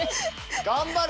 頑張れ！